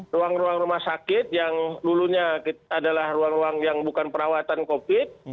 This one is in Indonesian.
ruang ruang rumah sakit yang dulunya adalah ruang ruang yang bukan perawatan covid